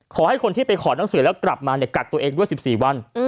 ขอให้คนทีกลับมาเกะกตัวเองด้วย๑๔วัน